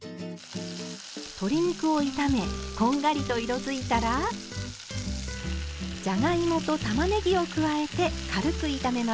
鶏肉を炒めこんがりと色づいたらじゃがいもとたまねぎを加えて軽く炒めます。